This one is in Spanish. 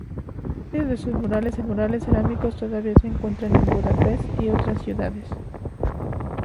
Varios de sus murales cerámicos todavía se encuentran en Budapest y otras ciudades.